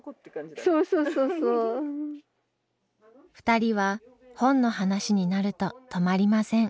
２人は本の話になると止まりません。